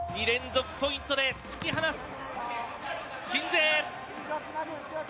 ２連続ポイントで突き放す鎮西。